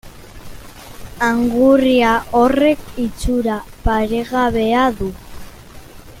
Angurria horrek itxura paregabea du.